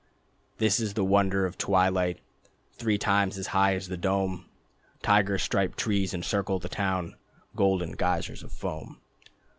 This is the wonder of twilight: Three times as high as the dome Tiger striped trees encircle the town, Golden geysers of foam.